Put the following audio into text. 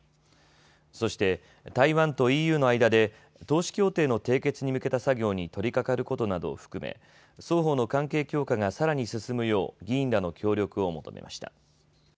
そして台湾とＥＵの間で投資協定の締結に向けた作業に取りかかることなどを含め双方の関係強化がさらに進むよう議員らの協力を求めました。